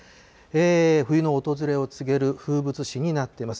冬の訪れを告げる風物詩になっています。